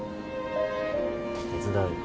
手伝うよ。